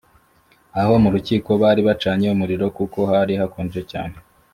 aho mu rukiko bari bacanye umuriro; kuko hari hakonje cyane